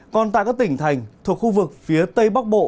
còn tại các tỉnh thành thuộc khu vực phía tây bắc bộ